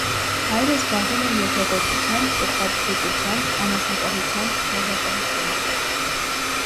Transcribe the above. Հայերը զբաղվում էին երկրագործությամբ, պտղաբուծությամբ, անասնապահությամբ, մեղվապահությամբ։